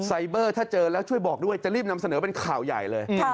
ไซเบอร์ถ้าเจอแล้วช่วยบอกด้วยจะรีบนำเสนอเป็นข่าวใหญ่เลย